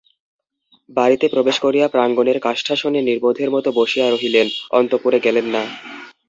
বাড়িতে প্রবেশ করিয়া প্রাঙ্গণের কাষ্ঠাসনে নির্বোধের মতো বসিয়া রহিলেন, অন্তঃপুরে গেলেন না।